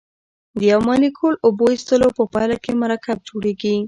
د یو مالیکول اوبو ایستلو په پایله کې مرکب جوړیږي.